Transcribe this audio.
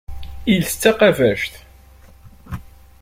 Iles d taqabact.